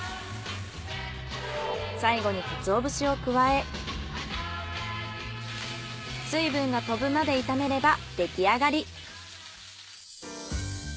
最後にかつお節を加え水分が飛ぶまで炒めれば出来上がり。